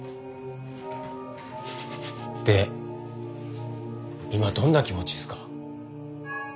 で今どんな気持ちっすか？